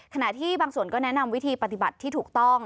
ขณะที่บางส่วนก็แนะนำวิธีปฏิบัติที่ถูกต้อง